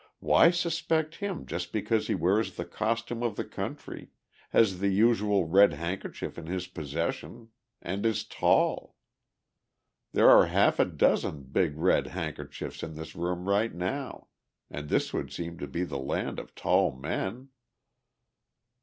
"Why suspect him just because he wears the costume of the country, has the usual red handkerchief in his possession and is tall? There are half a dozen big red handkerchiefs in this room right now ... and this would seem to be the land of tall men."